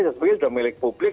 saya pikir sudah milik publik